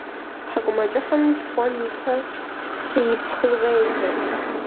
Тхьэкӏумэкӏыхьым лъхуэн ипэ цы ипхъыу щӏедзэ.